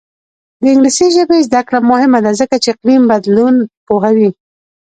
د انګلیسي ژبې زده کړه مهمه ده ځکه چې اقلیم بدلون پوهوي.